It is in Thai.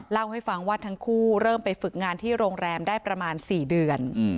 เล่าให้ฟังว่าทั้งคู่เริ่มไปฝึกงานที่โรงแรมได้ประมาณ๔เดือน